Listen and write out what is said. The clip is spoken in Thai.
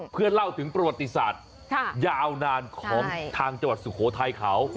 เพื่อเล่าถึงประวัติศาสตร์ยาวนานของทางจังหวัดสุโขทัยเขา